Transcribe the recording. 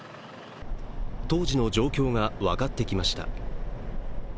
当時の状況が分かってきました。